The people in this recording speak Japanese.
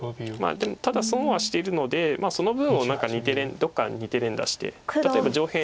でもただ損はしているのでその分を何かどこか２手連打して例えば上辺。